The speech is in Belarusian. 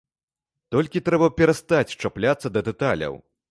Толькі трэба перастаць чапляцца да дэталяў.